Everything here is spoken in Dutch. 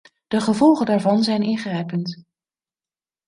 De gevolgen daarvan zijn ingrijpend.